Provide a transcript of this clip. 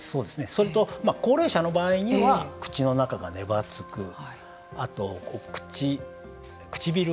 それと高齢者の場合は口の中がねばつくあと唇が渇く。